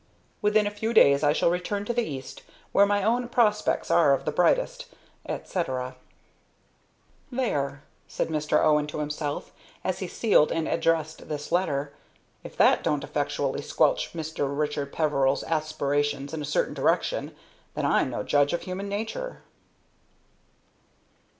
"Within a few days I shall return to the East, where my own prospects are of the brightest," etc. "There," said Mr. Owen to himself, as he sealed and addressed this letter. "If that don't effectually squelch Mr. Richard Peveril's aspirations in a certain direction, then I'm no judge of human nature."